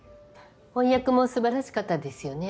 翻訳も素晴らしかったですよね。